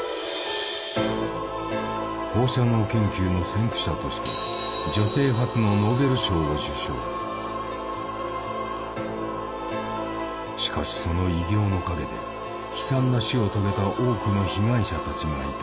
放射能研究の先駆者としてしかしその偉業の陰で悲惨な死を遂げた多くの被害者たちがいた。